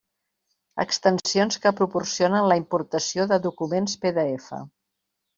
Extensions que proporcionen la importació de documents PDF.